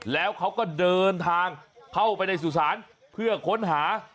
แล้วเขาก็เดินทางเข้าไปในสุสานเพื่อค้นหา